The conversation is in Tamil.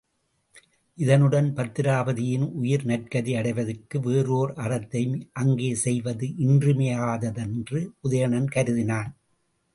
இதனுடன் பத்திராபதியின் உயிர் நற்கதி அடைவதற்கு வேறு ஒர் அறத்தையும் அங்கே செய்வது இன்றியமையாதது என்று உதயணன் கருதினான்.